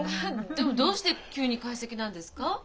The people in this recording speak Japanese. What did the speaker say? でもどうして急に懐石なんですか？